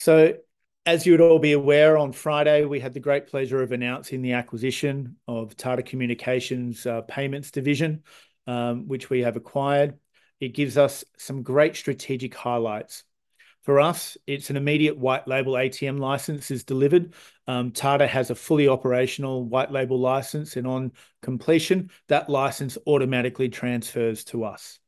So, as you would all be aware, on Friday we had the great pleasure of announcing the acquisition of Tata Communications' payments division, which we have acquired. It gives us some great strategic highlights. For us, it's an immediate white-label ATM license is delivered. Tata has a fully operational white-label license, and on completion, that license automatically transfers to us.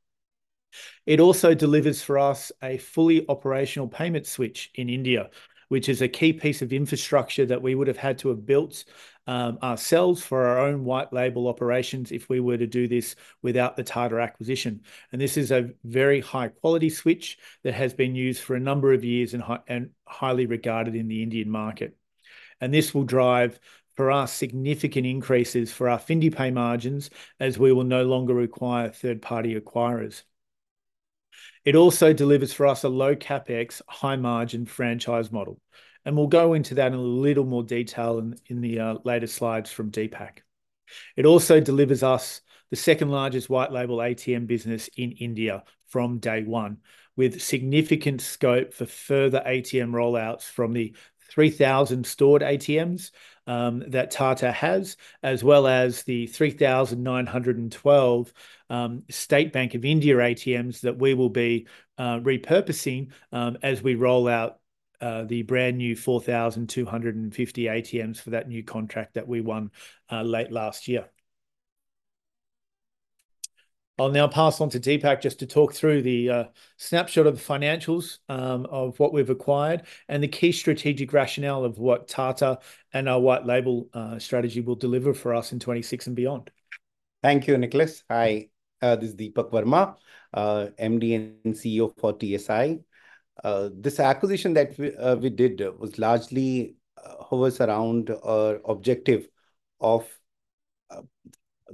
It also delivers for us a fully operational payment switch in India, which is a key piece of infrastructure that we would have had to have built ourselves for our own white-label operations if we were to do this without the Tata acquisition. And this is a very high-quality switch that has been used for a number of years and highly regarded in the Indian market. And this will drive, for us, significant increases for our FindiPay margins as we will no longer require third-party acquirers. It also delivers for us a low-CapEx, high-margin franchise model, and we'll go into that in a little more detail in the later slides from Deepak. It also delivers us the second-largest white-label ATM business in India from day one, with significant scope for further ATM rollouts from the 3,000 stored ATMs that Tata has, as well as the 3,912 State Bank of India ATMs that we will be repurposing as we roll out the brand new 4,250 ATMs for that new contract that we won late last year. I'll now pass on to Deepak just to talk through the snapshot of the financials of what we've acquired and the key strategic rationale of what Tata and our white-label strategy will deliver for us in 2026 and beyond. Thank you, Nicholas. Hi, this is Deepak Verma, MD and CEO for TSI. This acquisition that we did was largely hovers around our objective of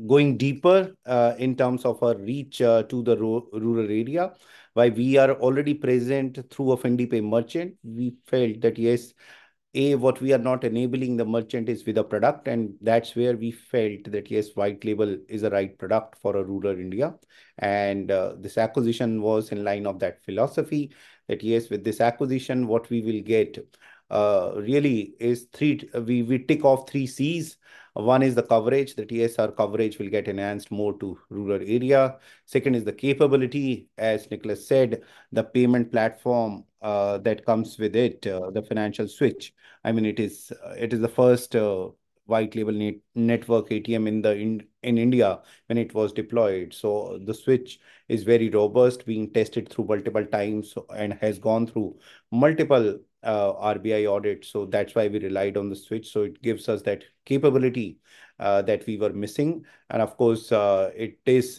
going deeper in terms of our reach to the rural area. While we are already present through a FindiPay merchant, we felt that, yes, A, what we are not enabling the merchant is with a product, and that's where we felt that, yes, white-label is the right product for rural India, and this acquisition was in line of that philosophy that, yes, with this acquisition, what we will get really is three, we tick off three Cs. One is the coverage, that, yes, our coverage will get enhanced more to rural area. Second is the capability, as Nicholas said, the payment platform that comes with it, the payment switch. I mean, it is the first white-label network ATM in India when it was deployed. The switch is very robust, being tested through multiple times and has gone through multiple RBI audits. That's why we relied on the switch. It gives us that capability that we were missing. Of course, it is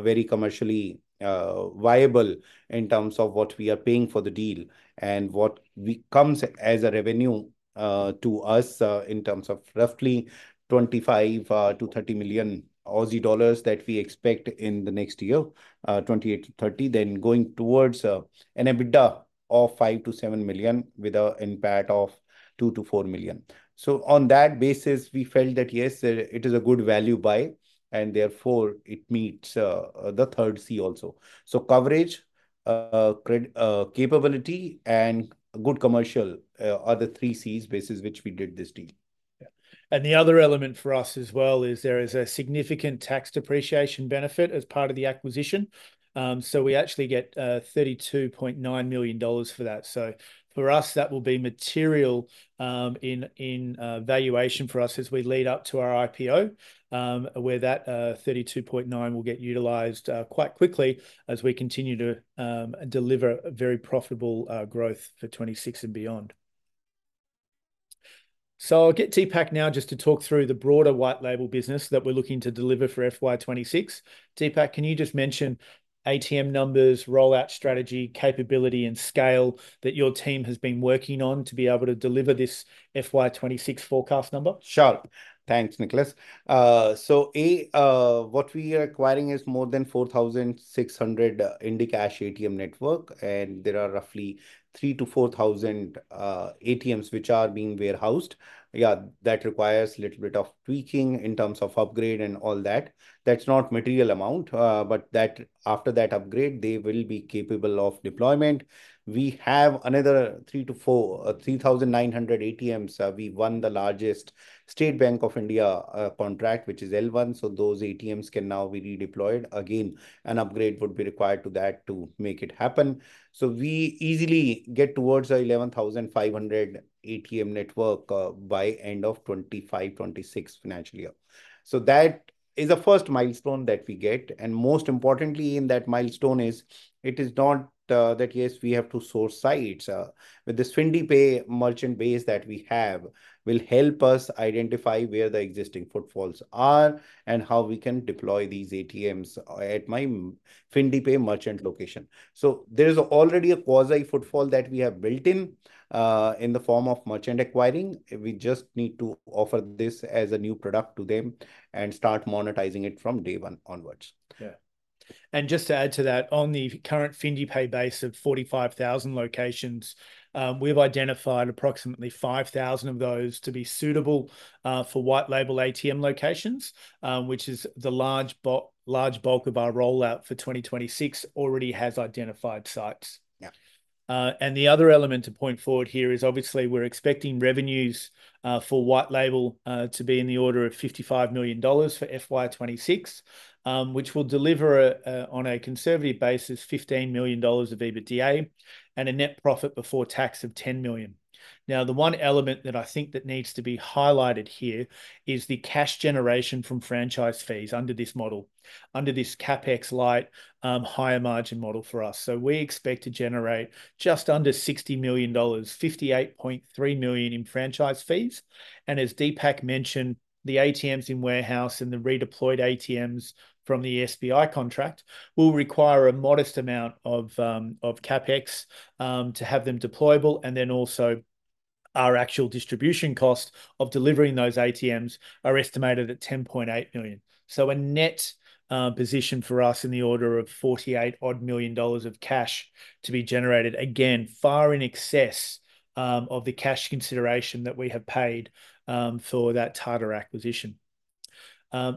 very commercially viable in terms of what we are paying for the deal and what comes as a revenue to us in terms of roughly 25-30 million Aussie dollars that we expect in the next year, 2028-2030, then going towards an EBITDA of 5-7 million with an impact of 2-4 million. On that basis, we felt that, yes, it is a good value buy, and therefore it meets the third C also. Coverage, capability, and good commercial are the three Cs basis which we did this deal. The other element for us as well is there is a significant tax depreciation benefit as part of the acquisition. So we actually get 32.9 million dollars for that. So for us, that will be material in valuation for us as we lead up to our IPO, where that 32.9 million will get utilized quite quickly as we continue to deliver very profitable growth for 2026 and beyond. So I'll get Deepak now just to talk through the broader white-label business that we're looking to deliver for FY 2026. Deepak, can you just mention ATM numbers, rollout strategy, capability, and scale that your team has been working on to be able to deliver this FY 2026 forecast number? Sure. Thanks, Nicholas. So, a, what we are acquiring is more than 4,600 Indicash ATM network, and there are roughly 3 to 4,000 ATMs which are being warehoused. Yeah, that requires a little bit of tweaking in terms of upgrade and all that. That's not material amount, but that after that upgrade, they will be capable of deployment. We have another 3,900 ATMs. We won the largest State Bank of India contract, which is L1. So those ATMs can now be redeployed. Again, an upgrade would be required to that to make it happen. So we easily get towards an 11,500 ATM network by end of 2025, 2026 financial year. So that is the first milestone that we get. And most importantly in that milestone is it is not that, yes, we have to source sites. With this FindiPay merchant base that we have, will help us identify where the existing footfalls are and how we can deploy these ATMs at my FindiPay merchant location. So there is already a quasi-footfall that we have built in the form of merchant acquiring. We just need to offer this as a new product to them and start monetizing it from day one onwards. Yeah. And just to add to that, on the current FindiPay base of 45,000 locations, we've identified approximately 5,000 of those to be suitable for White-label ATM locations, which is the large bulk of our rollout for 2026 already has identified sites. Yeah. The other element to point forward here is obviously we're expecting revenues for white-label to be in the order of 55 million dollars for FY 2026, which will deliver on a conservative basis 15 million dollars of EBITDA and a net profit before tax of 10 million. Now, the one element that I think that needs to be highlighted here is the cash generation from franchise fees under this model, under this CapEx-light higher margin model for us. So we expect to generate just under 60 million dollars, 58.3 million in franchise fees. And as Deepak mentioned, the ATMs in warehouse and the redeployed ATMs from the SBI contract will require a modest amount of CapEx to have them deployable. And then also our actual distribution cost of delivering those ATMs are estimated at 10.8 million. So a net position for us in the order of 48 million dollars of cash to be generated, again, far in excess of the cash consideration that we have paid for that Tata acquisition. Yeah.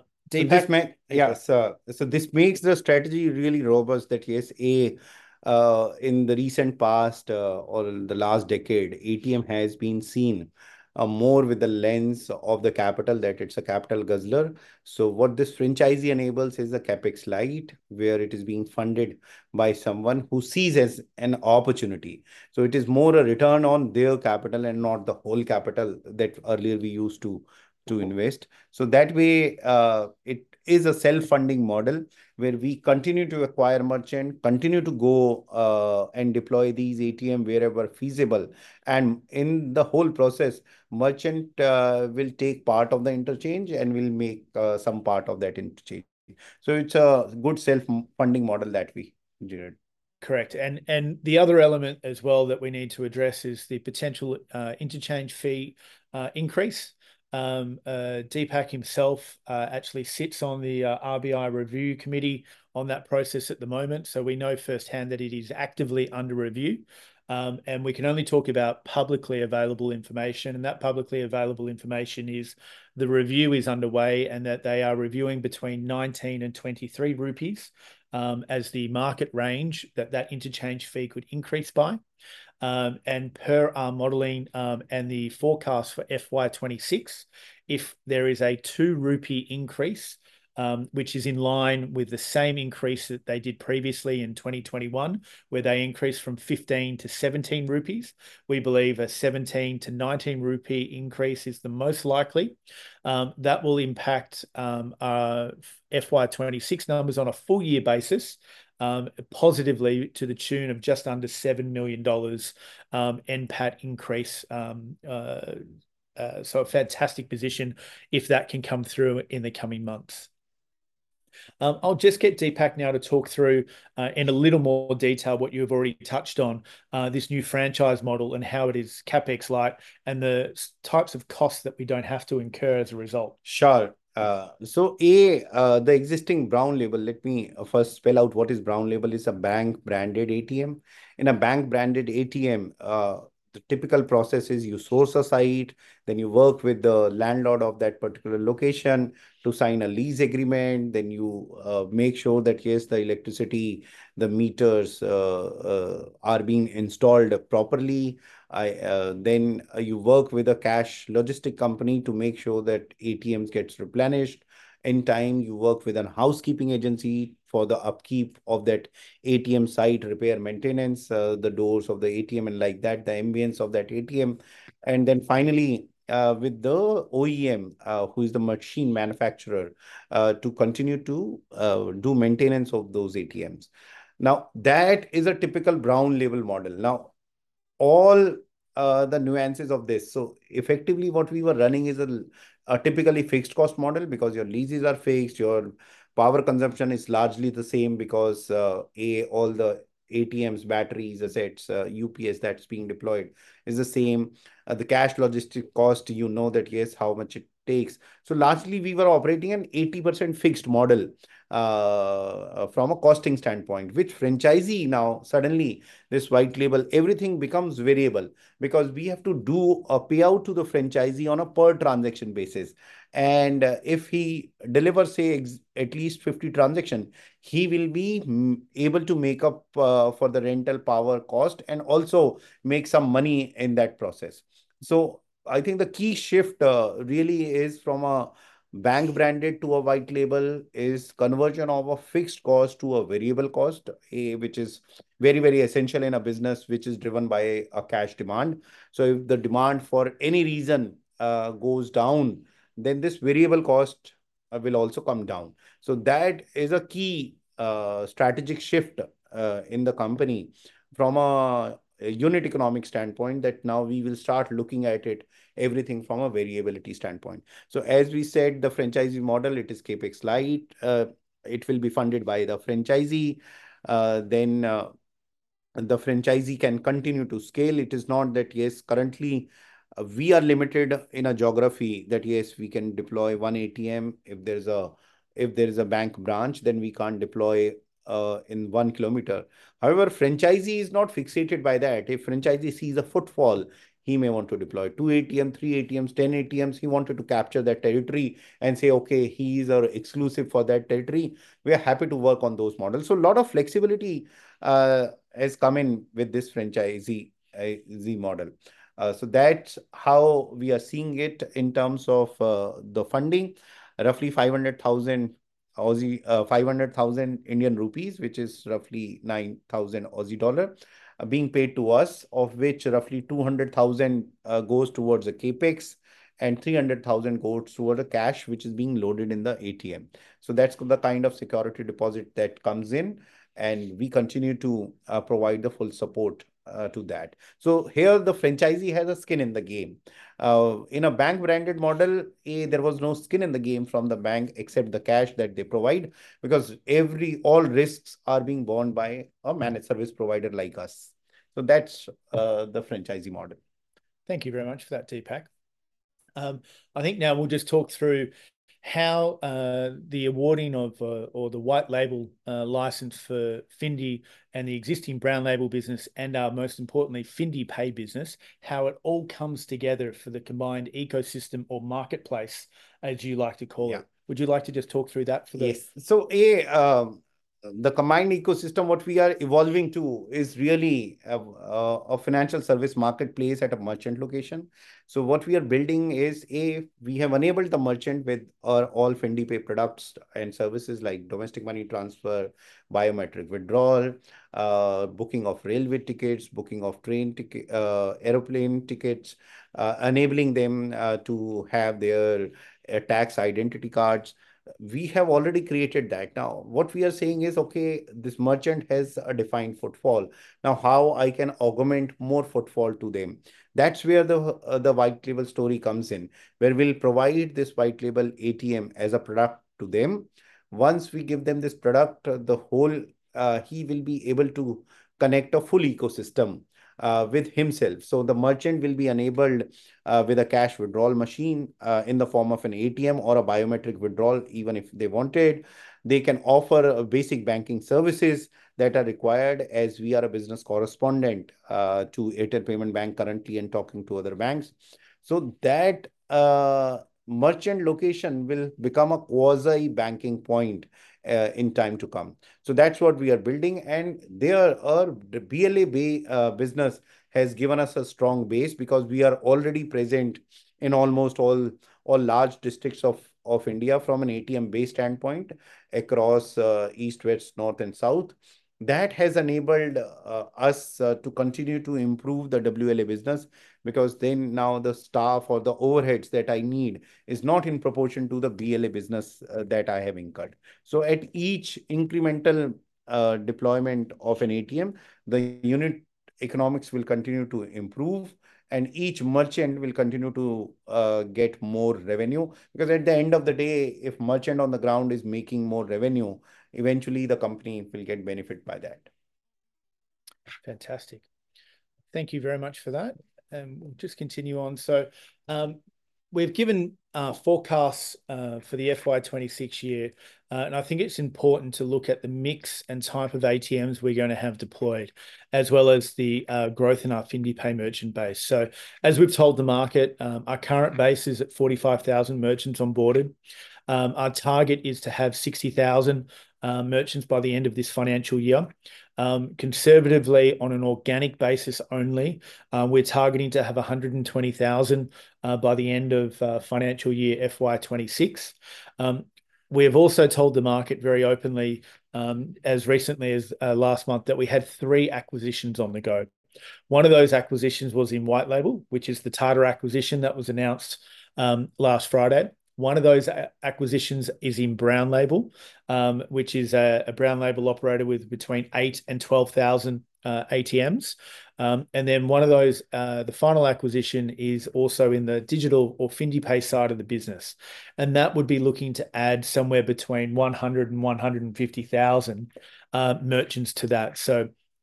So this makes the strategy really robust that, yes, A, in the recent past or the last decade, ATM has been seen more with the lens of the capital that it's a capital guzzler. So what this franchisee enables is a CapEx light where it is being funded by someone who sees as an opportunity. So it is more a return on their capital and not the whole capital that earlier we used to invest. So that way it is a self-funding model where we continue to acquire merchant, continue to go and deploy these ATM wherever feasible. And in the whole process, merchant will take part of the interchange and will make some part of that interchange. So it's a good self-funding model that we did. Correct, and the other element as well that we need to address is the potential interchange fee increase. Deepak himself actually sits on the RBI review committee on that process at the moment, so we know firsthand that it is actively under review, and we can only talk about publicly available information, and that publicly available information is the review is underway and that they are reviewing between 19 and 23 rupees as the market range that that interchange fee could increase by, and per our modeling and the forecast for FY 2026, if there is an 2 rupee increase, which is in line with the same increase that they did previously in 2021, where they increased from 15 to 17 rupees, we believe an 17 to 19 rupee increase is the most likely. That will impact FY 2026 numbers on a full year basis positively to the tune of just under 7 million dollars NPAT increase. So a fantastic position if that can come through in the coming months. I'll just get Deepak now to talk through in a little more detail what you have already touched on, this new franchise model and how it is CapEx-light and the types of costs that we don't have to incur as a result. Sure. So A, the existing brown label, let me first spell out what is brown label. It's a bank-branded ATM. In a bank-branded ATM, the typical process is you source a site, then you work with the landlord of that particular location to sign a lease agreement. Then you make sure that, yes, the electricity, the meters are being installed properly. Then you work with a cash logistics company to make sure that ATMs get replenished in time. You work with a housekeeping agency for the upkeep of that ATM site, repair, maintenance, the doors of the ATM and like that, the ambience of that ATM. And then finally with the OEM, who is the machine manufacturer, to continue to do maintenance of those ATMs. Now, that is a typical brown label model. Now, all the nuances of this. So effectively what we were running is a typically fixed cost model because your leases are fixed, your power consumption is largely the same because A, all the ATMs, batteries, assets, UPS that's being deployed is the same. The cash logistic cost, you know that, yes, how much it takes. So largely we were operating an 80% fixed model from a costing standpoint, which franchisee now suddenly this white-label, everything becomes variable because we have to do a payout to the franchisee on a per transaction basis. And if he delivers, say, at least 50 transactions, he will be able to make up for the rental power cost and also make some money in that process. So I think the key shift really is from a bank-branded to a white label is conversion of a fixed cost to a variable cost, which is very, very essential in a business which is driven by a cash demand. So if the demand for any reason goes down, then this variable cost will also come down. So that is a key strategic shift in the company from a unit economic standpoint that now we will start looking at it, everything from a variability standpoint. So as we said, the franchisee model, it is CapEx-light. It will be funded by the franchisee. Then the franchisee can continue to scale. It is not that, yes, currently we are limited in a geography that, yes, we can deploy one ATM. If there's a bank branch, then we can't deploy in one kilometer. However, franchisee is not fixated by that. If franchisee sees a footfall, he may want to deploy two ATMs, three ATMs, ten ATMs. He wanted to capture that territory and say, "Okay, he's exclusive for that territory." We are happy to work on those models. So a lot of flexibility has come in with this franchisee model. So that's how we are seeing it in terms of the funding. Roughly 500,000, 500,000 Indian rupees, which is roughly 9,000 Aussie dollar being paid to us, of which roughly 200,000 goes towards the Capex and 300,000 goes towards the cash, which is being loaded in the ATM. So that's the kind of security deposit that comes in. And we continue to provide the full support to that. So here, the franchisee has a skin in the game. In a bank-branded model, there was no skin in the game from the bank except the cash that they provide because all risks are being borne by a managed service provider like us. So that's the franchisee model. Thank you very much for that, Deepak. I think now we'll just talk through how the awarding of, or the white-label license for Findi and the existing brown-label business and, most importantly, our FindiPay business, how it all comes together for the combined ecosystem or marketplace, as you like to call it. Would you like to just talk through that for the? Yes. So, the combined ecosystem, what we are evolving to is really a financial service marketplace at a merchant location. So what we are building is, we have enabled the merchant with all FindiPay products and services like domestic money transfer, biometric withdrawal, booking of railway tickets, booking of train tickets, airplane tickets, enabling them to have their tax identity cards. We have already created that. Now, what we are saying is, "Okay, this merchant has a defined footfall. Now, how I can augment more footfall to them?" That's where the white label story comes in, where we'll provide this white label ATM as a product to them. Once we give them this product, he will be able to connect a full ecosystem with himself. So the merchant will be enabled with a cash withdrawal machine in the form of an ATM or a biometric withdrawal, even if they wanted. They can offer basic banking services that are required as we are a business correspondent to Airtel Payments Bank currently and talking to other banks. So that merchant location will become a quasi-banking point in time to come. So that's what we are building. And the BLA business has given us a strong base because we are already present in almost all large districts of India from an ATM-based standpoint across east, west, north, and south. That has enabled us to continue to improve the WLA business because then now the staff or the overheads that I need is not in proportion to the BLA business that I have incurred. So at each incremental deployment of an ATM, the unit economics will continue to improve and each merchant will continue to get more revenue because at the end of the day, if merchant on the ground is making more revenue, eventually the company will get benefit by that. Fantastic. Thank you very much for that. And we'll just continue on. So we've given forecasts for the FY 2026 year. And I think it's important to look at the mix and type of ATMs we're going to have deployed as well as the growth in our FindiPay merchant base. So as we've told the market, our current base is at 45,000 merchants onboarded. Our target is to have 60,000 merchants by the end of this financial year. Conservatively, on an organic basis only, we're targeting to have 120,000 by the end of financial year FY 2026. We have also told the market very openly as recently as last month that we had three acquisitions on the go. One of those acquisitions was in white label, which is the Tata acquisition that was announced last Friday. One of those acquisitions is in brown label, which is a brown label operator with between 8,000 and 12,000 ATMs, and then one of those, the final acquisition is also in the digital or FindiPay side of the business, and that would be looking to add somewhere between 100,000 and 150,000 merchants to that,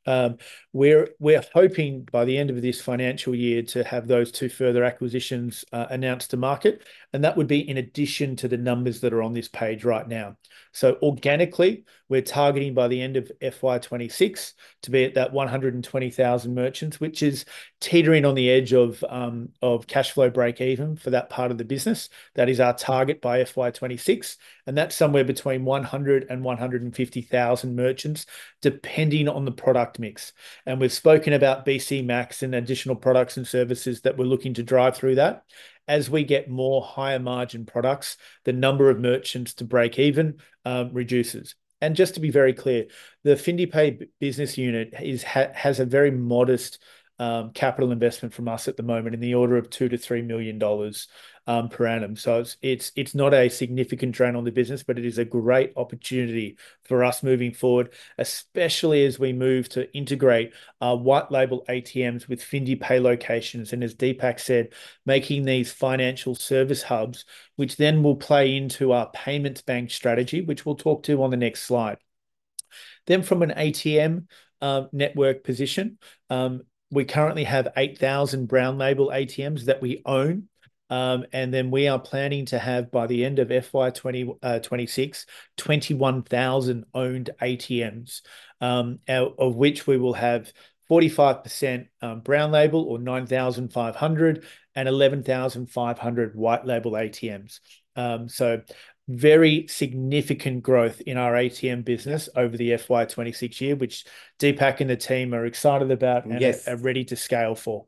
so we're hoping by the end of this financial year to have those two further acquisitions announced to market, and that would be in addition to the numbers that are on this page right now, so organically, we're targeting by the end of FY 2026 to be at that 120,000 merchants, which is teetering on the edge of cash flow break even for that part of the business. That is our target by FY 2026, and that's somewhere between 100,000 and 150,000 merchants depending on the product mix. We've spoken about BC Max and additional products and services that we're looking to drive through that. As we get more higher margin products, the number of merchants to break even reduces. Just to be very clear, the FindiPay business unit has a very modest capital investment from us at the moment in the order of 2-3 million dollars per annum. It's not a significant drain on the business, but it is a great opportunity for us moving forward, especially as we move to integrate white-label ATMs with FindiPay locations. As Deepak said, making these financial service hubs, which then will play into our payments bank strategy, which we'll talk to on the next slide. From an ATM network position, we currently have 8,000 brown-label ATMs that we own. Then we are planning to have by the end of FY 2026, 21,000 owned ATMs, of which we will have 45% brown label or 9,500 and 11,500 white label ATMs. So very significant growth in our ATM business over the FY 2026 year, which Deepak and the team are excited about and are ready to scale for.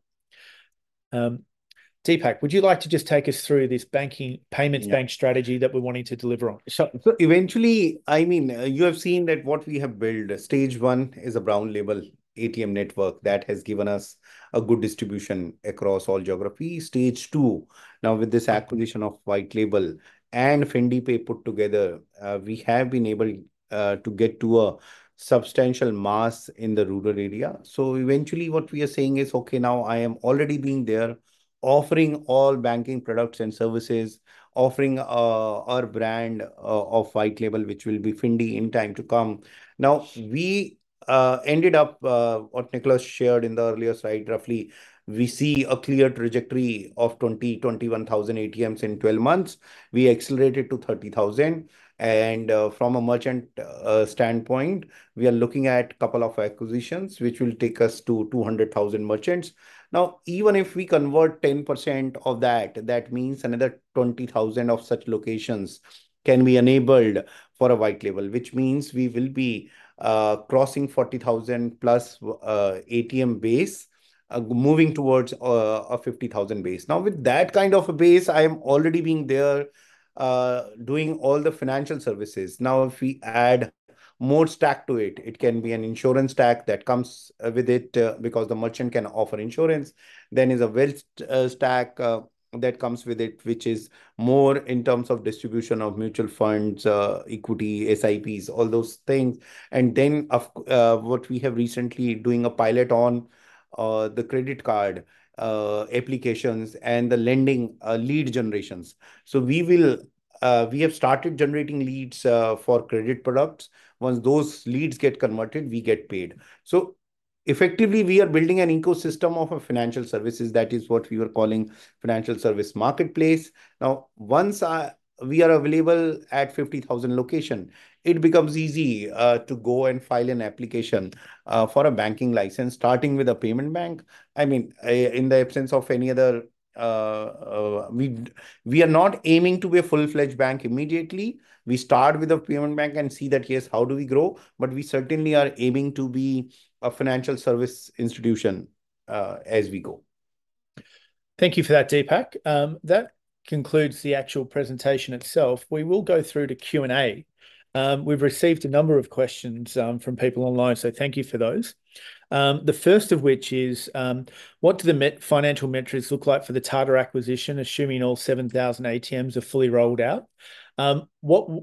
Deepak, would you like to just take us through this banking payments bank strategy that we're wanting to deliver on? Eventually, I mean, you have seen that what we have built. Stage one is a Brown-label ATM network that has given us a good distribution across all geographies. Stage two, now with this acquisition of White-label and FindiPay put together, we have been able to get to a substantial mass in the rural area. Eventually what we are saying is, "Okay, now I am already being there, offering all banking products and services, offering our brand of White-label, which will be Findi in time to come." Now, we ended up what Nicholas shared in the earlier slide. Roughly we see a clear trajectory of 20,000 to 21,000 ATMs in 12 months. We accelerated to 30,000. And from a merchant standpoint, we are looking at a couple of acquisitions, which will take us to 200,000 merchants. Now, even if we convert 10% of that, that means another 20,000 of such locations can be enabled for a white label, which means we will be crossing 40,000 plus ATM base, moving towards a 50,000 base. Now, with that kind of a base, I am already being there doing all the financial services. Now, if we add more stack to it, it can be an insurance stack that comes with it because the merchant can offer insurance. Then is a wealth stack that comes with it, which is more in terms of distribution of mutual funds, equity, SIPs, all those things. And then what we have recently doing a pilot on the credit card applications and the lending lead generations. So we have started generating leads for credit products. Once those leads get converted, we get paid. So effectively, we are building an ecosystem of financial services. That is what we were calling financial services marketplace. Now, once we are available at 50,000 locations, it becomes easy to go and file an application for a banking license starting with a payment bank. I mean, in the absence of any other, we are not aiming to be a full-fledged bank immediately. We start with a payment bank and see that, yes, how do we grow? But we certainly are aiming to be a financial services institution as we go. Thank you for that, Deepak. That concludes the actual presentation itself. We will go through to Q&A. We've received a number of questions from people online, so thank you for those. The first of which is, what do the financial metrics look like for the Tata acquisition, assuming all 7,000 ATMs are fully rolled out? What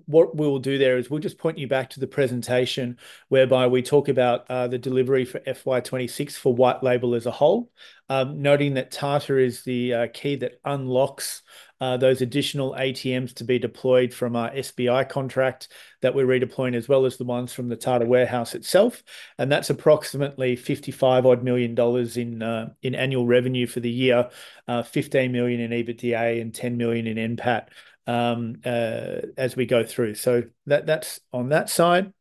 we will do there is we'll just point you back to the presentation whereby we talk about the delivery for FY 2026 for white label as a whole, noting that Tata is the key that unlocks those additional ATMs to be deployed from our SBI contract that we're redeploying as well as the ones from the Tata warehouse itself, and that's approximately 55 million dollars in annual revenue for the year, 15 million in EBITDA and 10 million in NPAT as we go through, so that's on that side.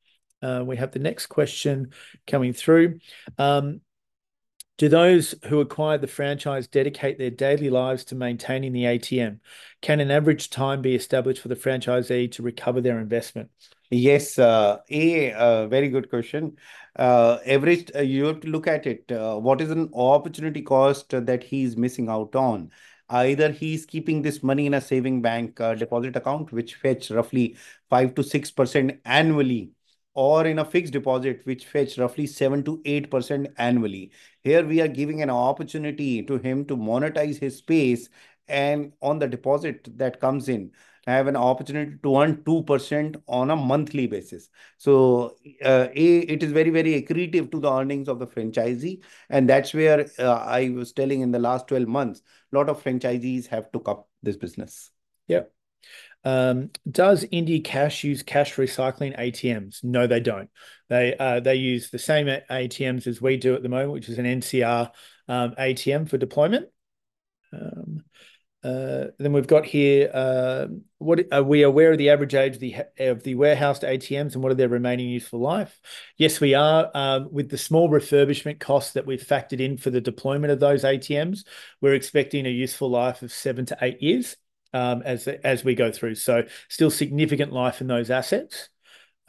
We have the next question coming through. Do those who acquire the franchise dedicate their daily lives to maintaining the ATM? Can an average time be established for the franchisee to recover their investment? Yes. A, very good question. You have to look at it. What is an opportunity cost that he's missing out on? Either he's keeping this money in a savings bank deposit account, which fetch roughly 5%-6% annually, or in a fixed deposit, which fetch roughly 7%-8% annually. Here we are giving an opportunity to him to monetize his space. And on the deposit that comes in, I have an opportunity to earn 2% on a monthly basis. So A, it is very, very accretive to the earnings of the franchisee. And that's where I was telling in the last 12 months, a lot of franchisees have got into this business. Yeah. Does Indicash use cash recycling ATMs? No, they don't. They use the same ATMs as we do at the moment, which is an NCR ATM for deployment. Then we've got here, are we aware of the average age of the warehouse ATMs and what are their remaining useful life? Yes, we are. With the small refurbishment costs that we've factored in for the deployment of those ATMs, we're expecting a useful life of seven to eight years as we go through. So still significant life in those assets.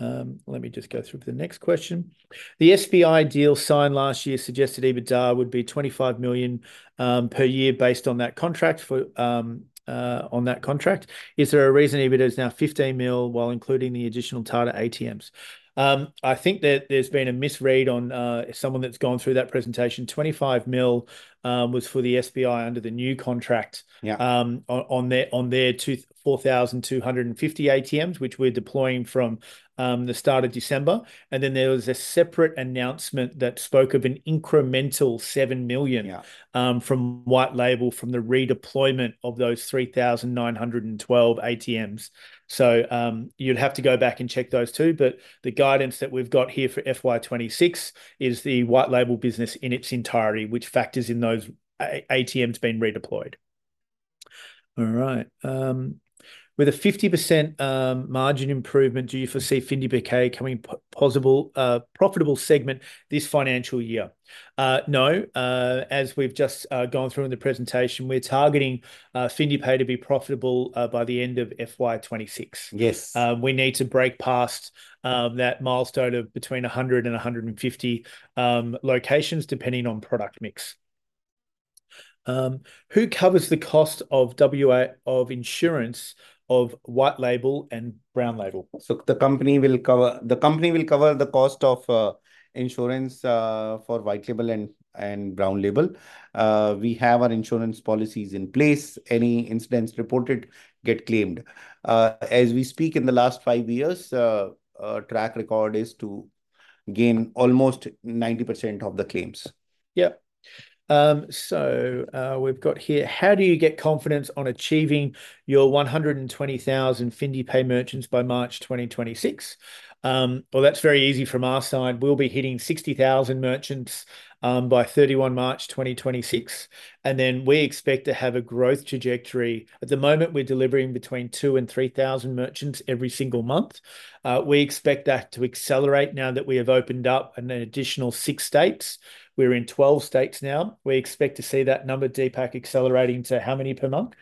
Let me just go through the next question. The SBI deal signed last year suggested EBITDA would be 25 million per year based on that contract. Is there a reason EBITDA is now 15 million while including the additional Tata ATMs? I think that there's been a misread on someone that's gone through that presentation. 25 million was for the SBI under the new contract on their 4,250 ATMs, which we're deploying from the start of December. Then there was a separate announcement that spoke of an incremental 7 million from white label from the redeployment of those 3,912 ATMs. You'd have to go back and check those too. The guidance that we've got here for FY 2026 is the white label business in its entirety, which factors in those ATMs being redeployed. All right. With a 50% margin improvement, do you foresee FindiPay becoming a profitable segment this financial year? No. As we've just gone through in the presentation, we're targeting FindiPay to be profitable by the end of FY 2026. We need to break past that milestone of between 100 and 150 locations depending on product mix. Who covers the cost of insurance of white-label and brown-label? The company will cover the cost of insurance for white-label and brown-label. We have our insurance policies in place. Any incidents reported get claimed. As we speak, in the last five years, track record is to gain almost 90% of the claims. Yeah. So we've got here, how do you get confidence on achieving your 120,000 FindiPay merchants by March 2026? Well, that's very easy from our side. We'll be hitting 60,000 merchants by 31 March 2026. And then we expect to have a growth trajectory. At the moment, we're delivering between 2,000 and 3,000 merchants every single month. We expect that to accelerate now that we have opened up an additional six states. We're in 12 states now. We expect to see that number, Deepak, accelerating to how many per month?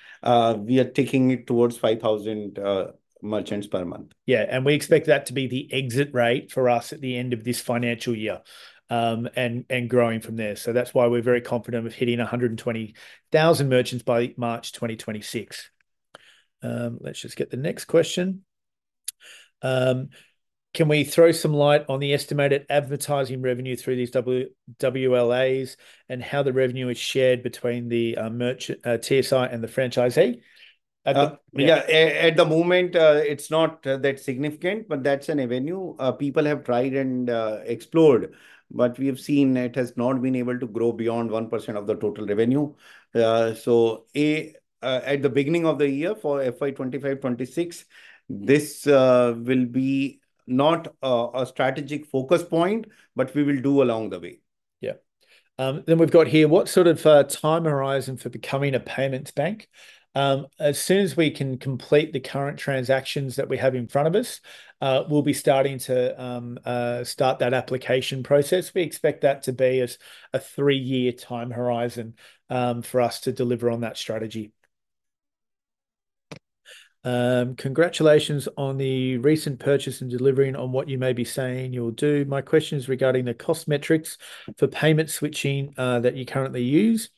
We are taking towards 5,000 merchants per month. Yeah, and we expect that to be the exit rate for us at the end of this financial year and growing from there. So that's why we're very confident of hitting 120,000 merchants by March 2026. Let's just get the next question. Can we throw some light on the estimated advertising revenue through these WLAs and how the revenue is shared between the TSI and the franchisee? At the moment, it's not that significant, but that's an avenue. People have tried and explored, but we have seen it has not been able to grow beyond 1% of the total revenue. So at the beginning of the year for FY 2025, 2026, this will be not a strategic focus point, but we will do along the way. Yeah. Then we've got here, what sort of time horizon for becoming a payments bank? As soon as we can complete the current transactions that we have in front of us, we'll be starting that application process. We expect that to be a three-year time horizon for us to deliver on that strategy. Congratulations on the recent purchase and delivering on what you may be saying you'll do. My question is regarding the cost metrics for payment switching that you currently use.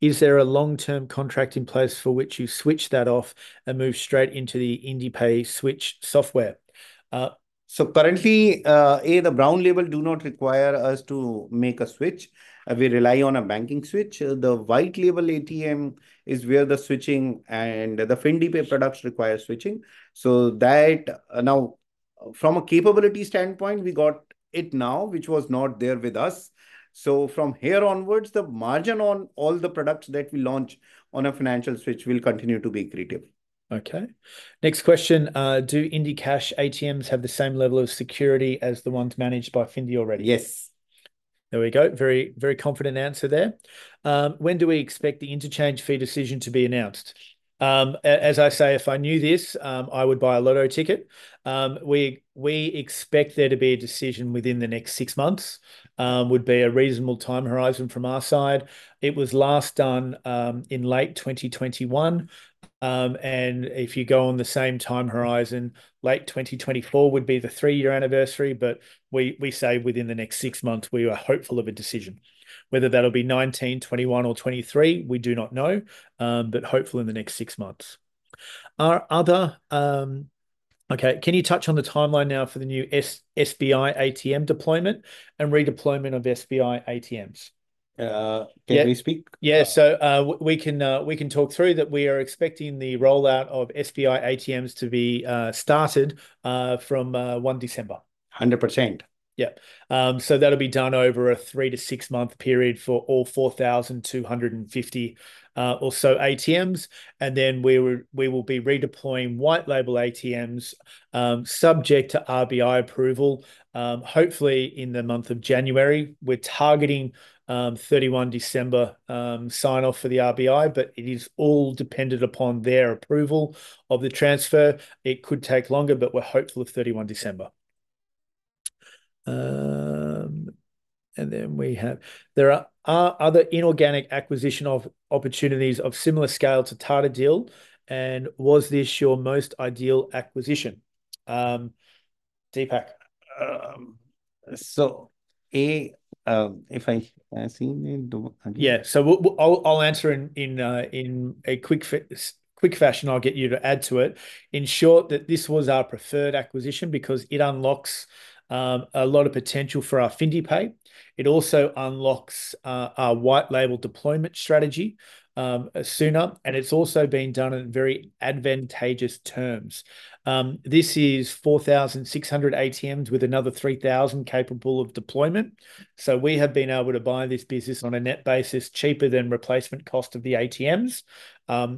Is there a long-term contract in place for which you switch that off and move straight into the FindiPay switch software? So currently, the Brown Label do not require us to make a switch. We rely on a banking switch. The White Label ATM is where the switching and the FindiPay products require switching. So that now from a capability standpoint, we got it now, which was not there with us. So from here onwards, the margin on all the products that we launch on a financial switch will continue to be accretive. Okay. Next question. Do Indicash ATMs have the same level of security as the ones managed by Findi already? Yes. There we go. Very, very confident answer there. When do we expect the interchange fee decision to be announced? As I say, if I knew this, I would buy a lotto ticket. We expect there to be a decision within the next six months would be a reasonable time horizon from our side. It was last done in late 2021. And if you go on the same time horizon, late 2024 would be the three-year anniversary. But we say within the next six months, we are hopeful of a decision. Whether that'll be '19, '21, or '23, we do not know, but hopeful in the next six months. Okay. Can you touch on the timeline now for the new SBI ATM deployment and redeployment of SBI ATMs? Can we speak? Yeah, so we can talk through that we are expecting the rollout of SBI ATMs to be started from 1 December. 100%. Yeah. So that'll be done over a three- to six-month period for all 4,250 or so ATMs. And then we will be redeploying white label ATMs subject to RBI approval, hopefully in the month of January. We're targeting 31 December sign-off for the RBI, but it is all dependent upon their approval of the transfer. It could take longer, but we're hopeful of 31 December. And then we have other inorganic acquisition opportunities of similar scale to Tata Deal. And was this your most ideal acquisition? Deepak. So A, if I see in the. Yeah. So I'll answer in a quick fashion. I'll get you to add to it. In short, that this was our preferred acquisition because it unlocks a lot of potential for our FindiPay. It also unlocks our white-label deployment strategy sooner. And it's also been done in very advantageous terms. This is 4,600 ATMs with another 3,000 capable of deployment. So we have been able to buy this business on a net basis cheaper than replacement cost of the ATMs,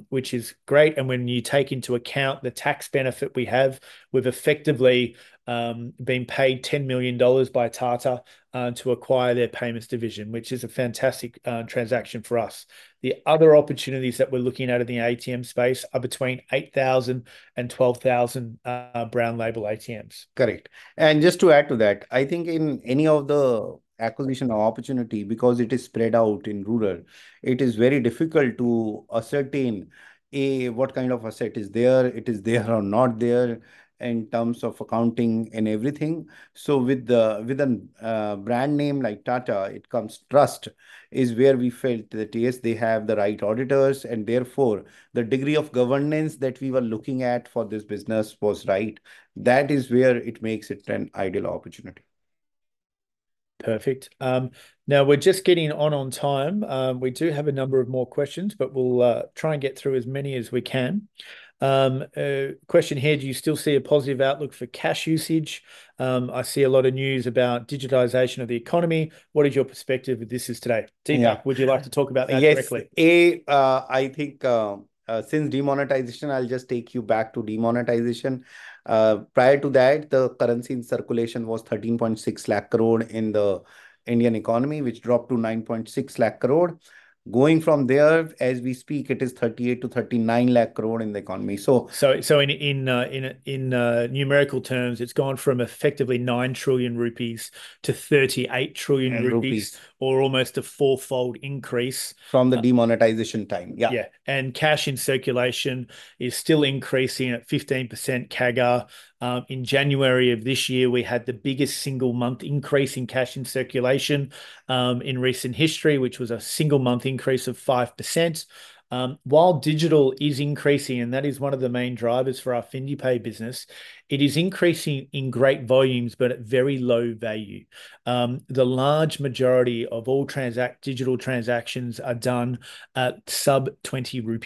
which is great. And when you take into account the tax benefit we have, we've effectively been paid 10 million dollars by Tata to acquire their payments division, which is a fantastic transaction for us. The other opportunities that we're looking at in the ATM space are between 8,000 and 12,000 brown-label ATMs. Correct. And just to add to that, I think in any of the acquisition opportunity, because it is spread out in rural, it is very difficult to ascertain A, what kind of asset is there, it is there or not there in terms of accounting and everything. So with a brand name like Tata, it comes trust is where we felt that, yes, they have the right auditors. And therefore, the degree of governance that we were looking at for this business was right. That is where it makes it an ideal opportunity. Perfect. Now we're just getting on time. We do have a number of more questions, but we'll try and get through as many as we can. Question here, do you still see a positive outlook for cash usage? I see a lot of news about digitization of the economy. What is your perspective of this today? Deepak, would you like to talk about that directly? Yes. I think since demonetization, I'll just take you back to demonetization. Prior to that, the currency in circulation was 13.6 lakh crore in the Indian economy, which dropped to 9.6 lakh crore. Going from there, as we speak, it is 38 to 39 lakh crore in the economy. In numerical terms, it's gone from effectively 9 trillion rupees to 38 trillion rupees, or almost a four-fold increase. From the demonetization time. Yeah. Yeah. Cash in circulation is still increasing at 15% CAGR. In January of this year, we had the biggest single-month increase in cash in circulation in recent history, which was a single-month increase of 5%. While digital is increasing, and that is one of the main drivers for our FindiPay business, it is increasing in great volumes, but at very low value. The large majority of all digital transactions are done at sub-INR 20,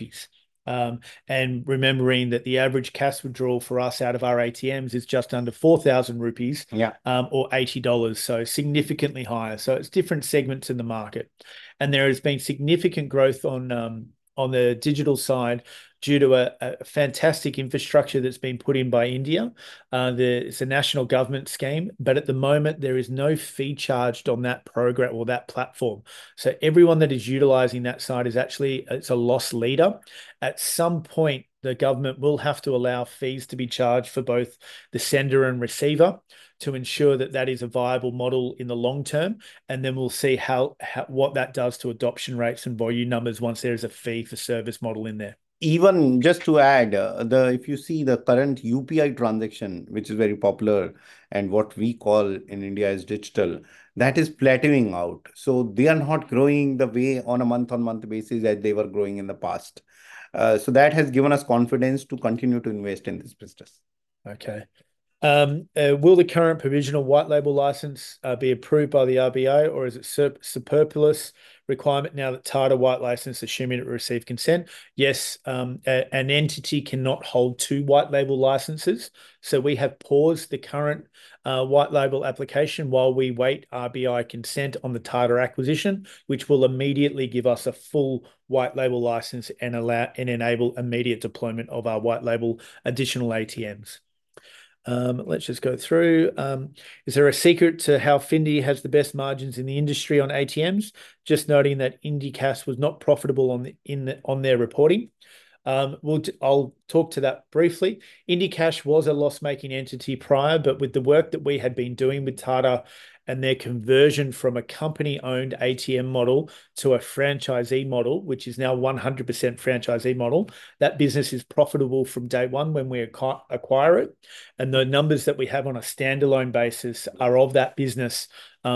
and remembering that the average cash withdrawal for us out of our ATMs is just under 4,000 rupees or 80 dollars, so significantly higher. So it's different segments in the market, and there has been significant growth on the digital side due to a fantastic infrastructure that's been put in by India. It's a national government scheme, but at the moment, there is no fee charged on that program or that platform. Everyone that is utilizing that side is actually a loss leader. At some point, the government will have to allow fees to be charged for both the sender and receiver to ensure that that is a viable model in the long term. Then we'll see what that does to adoption rates and volume numbers once there is a fee for service model in there. Even just to add, if you see the current UPI transaction, which is very popular and what we call in India is digital, that is plateauing out. So they are not growing the way on a month-on-month basis as they were growing in the past. So that has given us confidence to continue to invest in this business. Okay. Will the current provisional white label license be approved by the RBI, or is it superfluous requirement now that Tata white label license assuming it received consent? Yes. An entity cannot hold two white label licenses. So we have paused the current white label application while we wait RBI consent on the Tata acquisition, which will immediately give us a full white label license and enable immediate deployment of our white label additional ATMs. Let's just go through. Is there a secret to how Findi has the best margins in the industry on ATMs? Just noting that Indicash was not profitable on their reporting. I'll talk to that briefly. Indicash was a loss-making entity prior, but with the work that we had been doing with Tata and their conversion from a company-owned ATM model to a franchisee model, which is now 100% franchisee model, that business is profitable from day one when we acquire it. And the numbers that we have on a standalone basis are of that business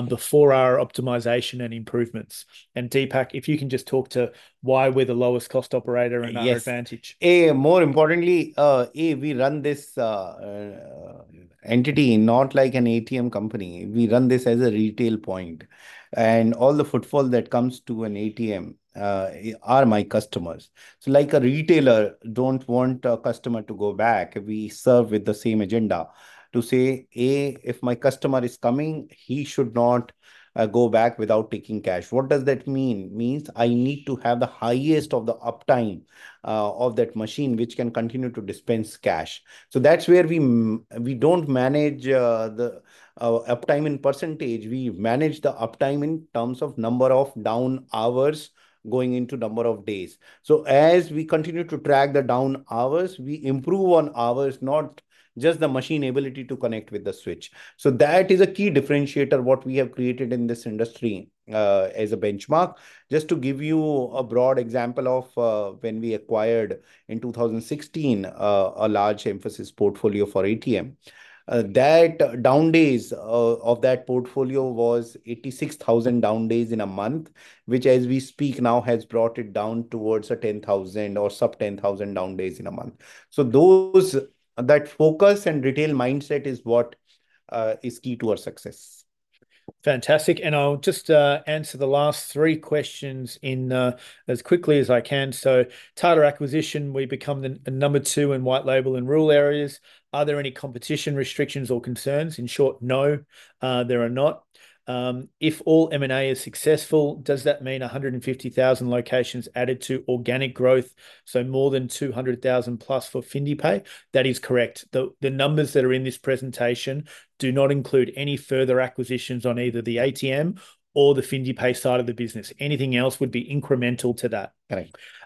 before our optimization and improvements. And Deepak, if you can just talk to why we're the lowest cost operator and our advantage. Yes. More importantly, we run this entity not like an ATM company. We run this as a retail point, and all the footfall that comes to an ATM are my customers. So like a retailer don't want a customer to go back, we serve with the same agenda to say, if my customer is coming, he should not go back without taking cash. What does that mean? Means I need to have the highest of the uptime of that machine, which can continue to dispense cash, so that's where we don't manage the uptime in percentage. We manage the uptime in terms of number of down hours going into number of days. So as we continue to track the down hours, we improve on hours, not just the machine ability to connect with the switch. That is a key differentiator what we have created in this industry as a benchmark. Just to give you a broad example of when we acquired in 2016 a large Mphasis portfolio for ATM, that down days of that portfolio was 86,000 down days in a month, which as we speak now has brought it down towards a 10,000 or sub-10,000 down days in a month. That focus and retail mindset is what is key to our success. Fantastic. And I'll just answer the last three questions as quickly as I can. So Tata acquisition, we become the number two in white label in rural areas. Are there any competition restrictions or concerns? In short, no, there are not. If all M&A is successful, does that mean 150,000 locations added to organic growth, so more than 200,000 plus for FindiPay? That is correct. The numbers that are in this presentation do not include any further acquisitions on either the ATM or the FindiPay side of the business. Anything else would be incremental to that.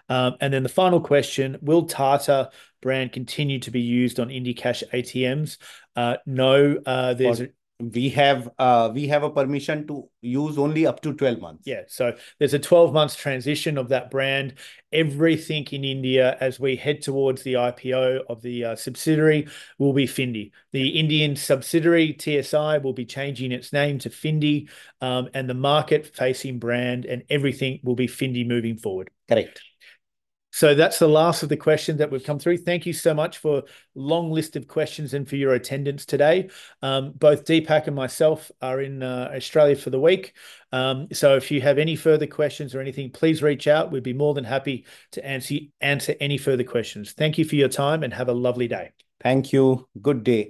And then the final question, will Tata brand continue to be used on Indicash ATMs? No. We have a permission to use only up to 12 months. Yeah. So there's a 12-month transition of that brand. Everything in India as we head towards the IPO of the subsidiary will be Findi. The Indian subsidiary TSI will be changing its name to Findi. And the market-facing brand and everything will be Findi moving forward. Correct. So that's the last of the questions that we've come through. Thank you so much for a long list of questions and for your attendance today. Both Deepak and myself are in Australia for the week. So if you have any further questions or anything, please reach out. We'd be more than happy to answer any further questions. Thank you for your time and have a lovely day. Thank you. Good day.